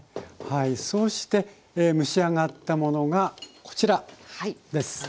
はいそして蒸し上がったものがこちらです。